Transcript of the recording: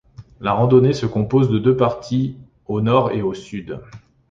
La randonnée se compose de deux parties, au nord et au sud.